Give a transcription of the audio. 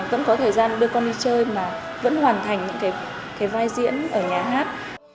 vẫn có thời gian đưa con đi chơi mà vẫn hoàn thành những cái vai diễn ở nhà hát